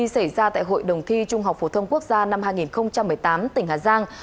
xảy ra tại hội đồng thi trung học phổ thông quốc gia năm hai nghìn một mươi tám tỉnh hà giang